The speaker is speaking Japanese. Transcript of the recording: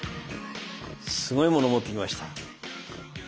すごいもの持ってきました。